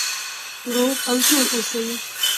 روغ او جوړ اوسئ.